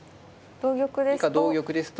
同玉ですと。